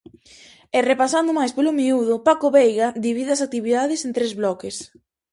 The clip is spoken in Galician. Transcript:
E repasando máis polo miúdo, Paco veiga divide as actividades en tres bloques.